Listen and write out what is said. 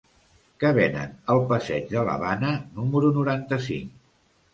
Què venen al passeig de l'Havana número noranta-cinc?